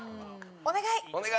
お願い！